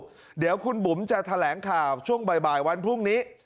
เดี๋ยวคุณบุ๋มจะแถลงข่าวช่วงบ่ายวันพรุ่งนี้